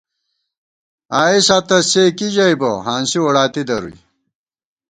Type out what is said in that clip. آئېسا تہ سے کی ژَئیبہ، ہانسی ووڑاتی درُوئی